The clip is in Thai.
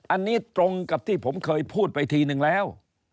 อันนี้ตรงกับที่ผมเคยพูดไปทีนึงแล้ว